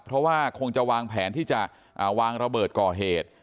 เพราะว่าคงจะวางแผนที่จะวางระเบิดก่อเหตุ